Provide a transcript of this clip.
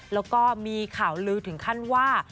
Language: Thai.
แล้วก็มีข่าวลือถึงขั้นว่า